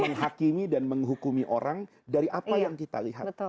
menghakimi dan menghukumi orang dari apa yang kita lihat